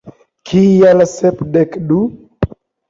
Kial Sepdek du?